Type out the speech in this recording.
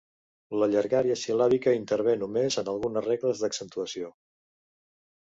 La llargària sil·làbica intervé només en algunes regles d'accentuació.